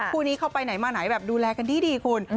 คู่นี้เข้าไปไหนมาไหนแบบดูแลกันดีคุณ